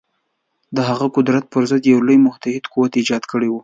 د هغه قدرت پر ضد یو لوی متحد قوت ایجاد کړی وای.